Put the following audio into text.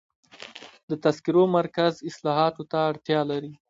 د تذکرو مرکز اصلاحاتو ته اړتیا لري.